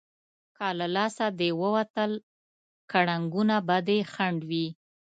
که له لاسه دې ووتل، کړنګونه به دې خنډ وي.